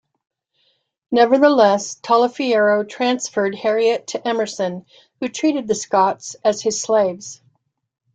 Nevertheless, Taliaferro transferred Harriet to Emerson, who treated the Scotts as his slaves.